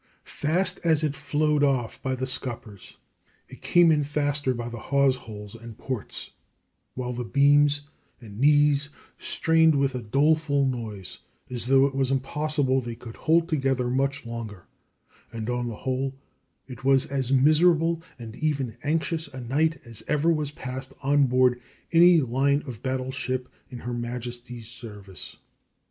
Fast as it flowed off by the scuppers it came in faster by the hawse holes and ports, while the beams and knees strained with a doleful noise, as though it was impossible they could hold together much longer, and on the whole it was as miserable and even anxious a night as ever was passed on board any line of battle ship in her Majesty's service.